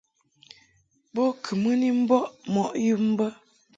Bo kɨ mɨ ni mbɔʼ mɔʼ yum bə.